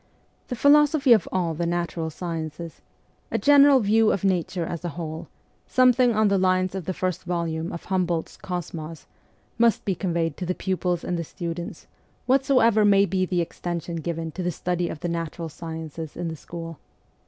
The philosophy of all the natural sciences a general view of nature as a whole, something on the lines of the first volume of Humboldt's ' Cosmos ' must be conveyed to the pupils and the students, whatsoever may be the extension given to the study of the natural sciences in the school.